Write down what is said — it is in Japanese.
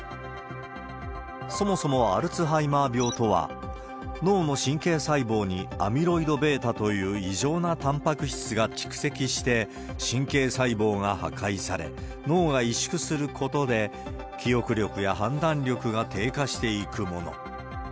そもそもアルツハイマー病とは、脳の神経細胞にアミロイドβという異常なたんぱく質が蓄積して、神経細胞が破壊され、脳が萎縮することで、記憶力や判断力が低下していくもの。